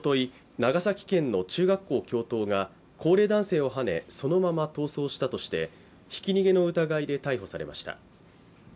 長崎県の中学校教頭が、高齢男性をはねそのまま逃走したとしてひき逃げの疑いで逮捕されました。